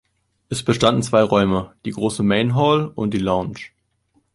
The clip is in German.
Es bestanden zwei Räume: die große Main-Hall und die Lounge.